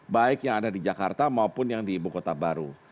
baik yang ada di jakarta maupun yang di ibu kota baru